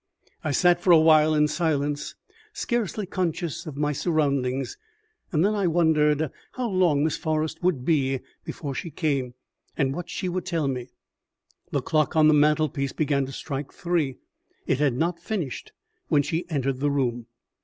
I sat for a while in silence, scarcely conscious of my surroundings; and then I wondered how long Miss Forrest would be before she came, and what she would tell me. The clock on the mantelpiece began to strike three; it had not finished when she entered the room.